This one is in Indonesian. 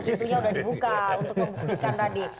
pintunya udah dibuka untuk membuktikan tadi